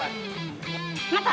hah ikut saya